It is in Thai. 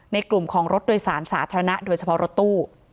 ในกลุ่มของรถโดยสารสาธารณะโดยเฉพาะรถตู้